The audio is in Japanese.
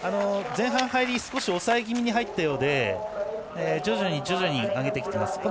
前半入り少し押さえ気味に入ったようで徐々に上げてきてます。